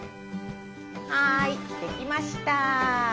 はい出来ました！